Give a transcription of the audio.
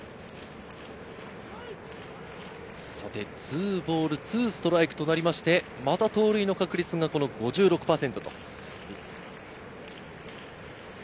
２ボール２ストライクとなりましてまた盗塁の確率が５６％。